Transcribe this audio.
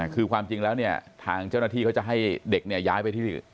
คือความจริงแล้วเนี่ยทางเจ้าหน้าที่เขาจะให้เด็กเนี่ยย้ายไปที่อื่น